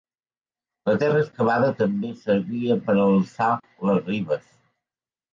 La terra excavada també servia per a alçar les ribes.